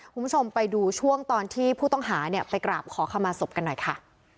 คุณผู้ชมไปดูช่วงตอนที่ผู้ต้องหาเนี่ยไปกราบขอขมาศพกันหน่อยค่ะ